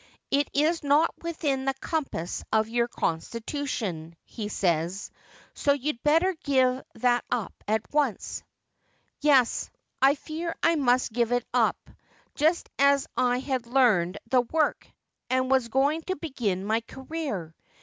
It is not within the compass of your constitution, he says, so you'd better give that up at once.' 'Yes, I fear I must give it up — just as I had learned the work, and was going to begin my career.